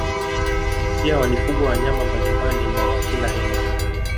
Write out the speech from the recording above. Pia walifugwa wanyama mbalimbali na wa kila aina